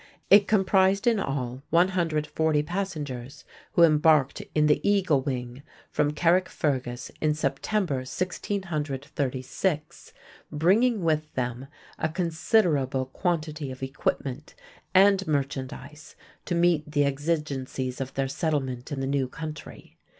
It comprised in all 140 passengers, who embarked in the Eagle Wing, from Carrickfergus in September, 1636, bringing with them a considerable quantity of equipment and merchandise to meet the exigencies of their settlement in the new country.